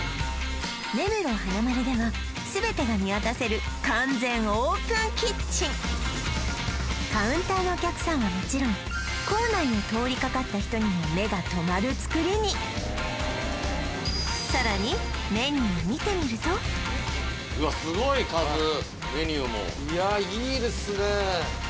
根室花まるでは全てが見渡せる完全オープンキッチンカウンターのお客さんはもちろん構内を通りかかった人にも目がとまる造りにさらにすごい数メニューもいやいいですね